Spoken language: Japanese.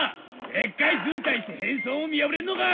でっかい図体して変装も見破れんのか！